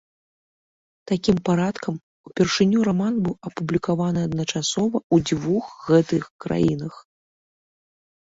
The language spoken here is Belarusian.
Такім парадкам, упершыню раман быў апублікаваны адначасова ў дзвюх гэтых краінах.